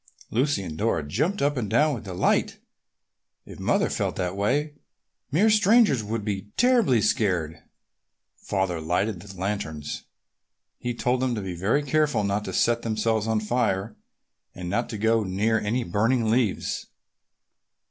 Lucy and Dora jumped up and down with delight. If Mother felt that way, mere strangers would be terribly scared. Father lighted the lanterns. He told them to be very careful not to set themselves on fire, and not to go near any burning leaves.